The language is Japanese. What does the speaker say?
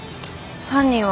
犯人は。